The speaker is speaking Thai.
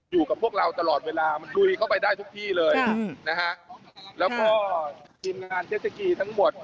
อยู่กับพวกเราตลอดเวลามันลุยเข้าไปได้ทุกที่เลยนะฮะแล้วก็ทีมงานเจสสกีทั้งหมด